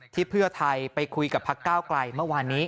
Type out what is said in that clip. เพื่อไทยไปคุยกับพักก้าวไกลเมื่อวานนี้